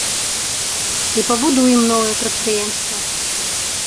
І пабудуем новае прадпрыемства!